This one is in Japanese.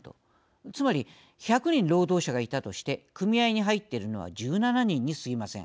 つまり１００人、労働者がいたとして組合に入っているのは１７人にすぎません。